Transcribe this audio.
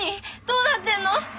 どうなってんの？